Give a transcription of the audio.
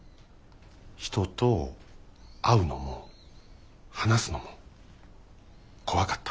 人と会うのも話すのも怖かった。